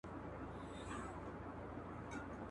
که میرویس نیکه یاد کړو نو ازادي نه هیریږي.